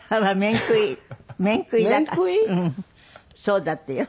そうだってよ。